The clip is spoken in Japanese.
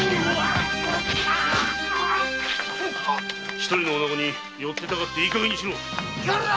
一人の女子に寄ってたかっていいかげんにしろ！